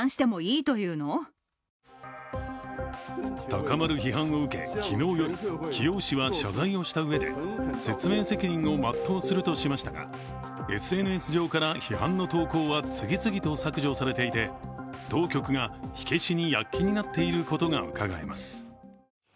高まる批判を受け、昨日夜貴陽市は謝罪をしたうえで説明責任を全うするとしましたがＳＮＳ上から批判の投稿は次々と削除されていて、当局が火消しに躍起になっていることがうかがえます。